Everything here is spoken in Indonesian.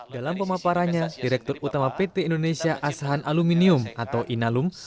dalam pemaparannya direktur utama pt indonesia asahan aluminium atau inalum